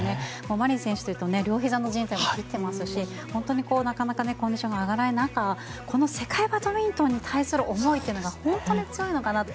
マリン選手というと両ひざのじん帯を切ってますし本当になかなかコンディションが上がらない中この世界バドミントンに対する思いというのが本当に強いのかなって。